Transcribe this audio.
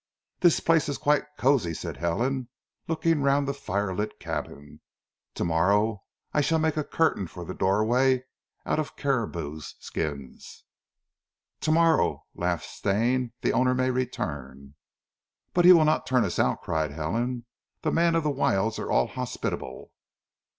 "This place is quite cosy," said Helen, looking round the firelit cabin. "Tomorrow I shall make a curtain for the doorway out of caribous skins." "Tomorrow," laughed Stane, "the owner may return." "But he will not turn us out," cried Helen. "The men of the wilds are all hospitable."